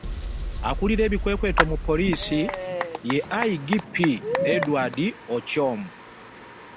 Akulira ebikwekweto mu poliisi, ye AIGP Edward Ochom